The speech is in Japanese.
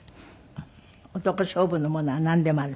男勝負のものはなんでもある？